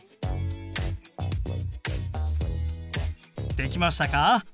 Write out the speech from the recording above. できましたか？